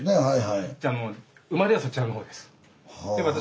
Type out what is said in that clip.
はいはい。